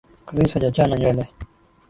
Chris hajachana nywele.